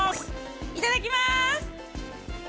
いただきます！